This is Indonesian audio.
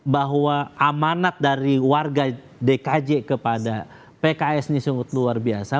bahwa amanat dari warga dkj kepada pks ini sungguh luar biasa